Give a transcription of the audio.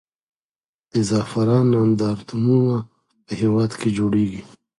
د زعفرانو نندارتونونه په هېواد کې جوړېږي.